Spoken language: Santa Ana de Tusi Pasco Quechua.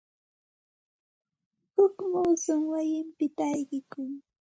Huk muusum wayinpita ayqikun.